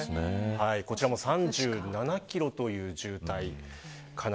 こちらも３７キロという渋滞。